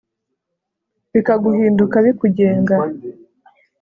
bikaguhinduka bikugenga